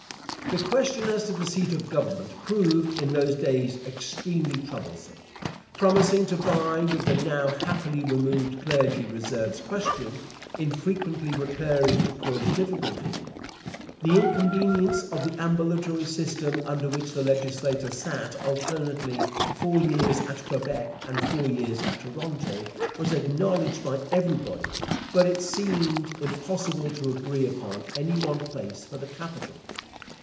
The question as to the seat of government proved in those days extremely troublesome, promising to vie with the now happily removed Clergy Reserves question, in frequently recurring to cause difficulty. The inconvenience of the ambulatory system under which the legislature sat alternately four years at Quebec and four years at Toronto was acknowledged by everybody, but it seemed impossible to agree upon any one place for the capital.